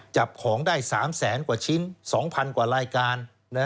จับของได้๓แสนกว่าชิ้น๒๐๐๐กว่ารายการ